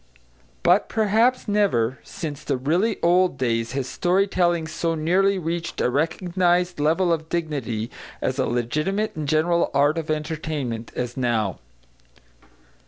But perhaps never, since the really old days, has story telling so nearly reached a recognised level of dignity as a legitimate and general art of entertainment as now.